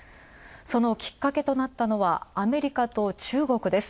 そのきっかけとなったのはアメリカと中国です。